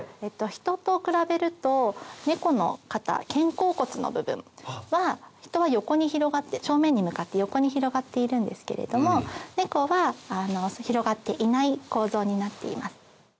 ヒトと比べるとネコの肩肩甲骨の部分はヒトは正面に向かって横に広がっているんですけれどもネコは広がっていない構造になっています。